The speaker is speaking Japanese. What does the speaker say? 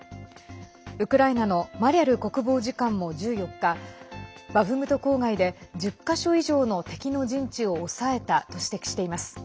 ウクライナのマリャル国防次官も１４日バフムト郊外で１０か所以上の敵の陣地を押さえたと指摘しています。